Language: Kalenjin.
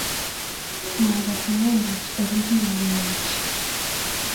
Magaas inendet olekigingololji